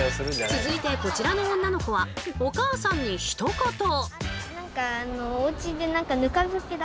続いてこちらの女の子はお母さんにひとこと！